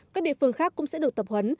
các địa phương khác cũng sẽ được tập huấn